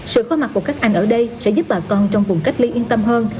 sự có mặt của các anh ở đây sẽ giúp bà con trong vùng cách ly yên tâm hơn